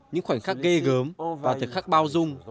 những khoảnh khắc ghê gớm và thời khắc bao dung